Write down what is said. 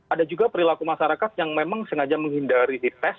ada juga perilaku masyarakat yang memang sengaja menghindari tes